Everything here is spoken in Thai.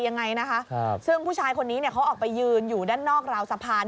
ยังไงนะคะครับซึ่งผู้ชายคนนี้เนี่ยเขาออกไปยืนอยู่ด้านนอกราวสะพาน